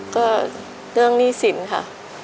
ก็เรื่องหนี้สินค่ะ